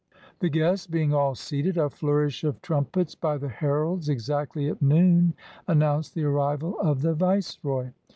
The guests being all seated, a flourish of trumpets by the heralds exactly at noon announced the arrival of the Viceroy.